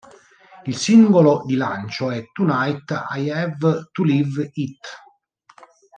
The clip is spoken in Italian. Il singolo di lancio è "Tonight I Have to Leave It".